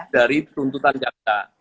dari tuntutan jaksa